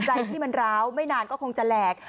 ใจที่มันร้าวไม่นานก็คงจะแหลก